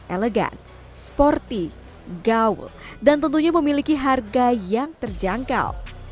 elegan sporty gaul dan tentunya memiliki harga yang terjangkau